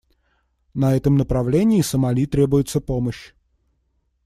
На этом направлении Сомали требуется помощь.